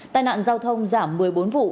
tai nạn giao thông giảm một mươi bốn vụ